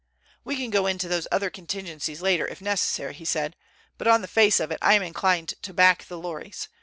"We can go into those other contingencies later if necessary," he said, "but on the face of it I am inclined to back the lorries.